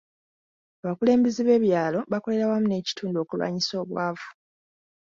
Abakulembeze b'ekyalo bakolera wamu n'ekitundu okulwanyisa obwavu.